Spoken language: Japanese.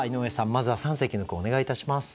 まずは三席の句をお願いいたします。